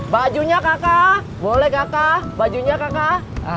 bajunya kakak boleh kakak bajunya kakak